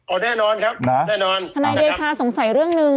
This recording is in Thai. แน่นอนครับหนาแน่นอนทนายเดชาสงสัยเรื่องหนึ่ง